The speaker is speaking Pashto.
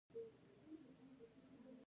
د سید اباد مڼې مشهورې دي